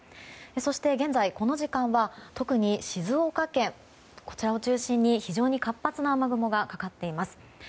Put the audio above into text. そして現在、この時間は特に静岡県を中心に非常に活発な雨雲がかかっています。